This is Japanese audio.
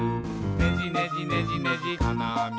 「ねじねじねじねじかなあみのうた」